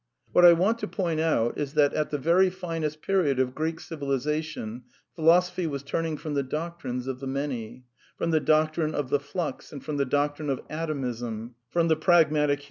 What I want to point out is that, at the very finest period of Greek civilization, Philosophy was turning from the doctrines of the Many : from the doctrine of the flux, and from the doctrine of Atomism, from the Pragmatic Hu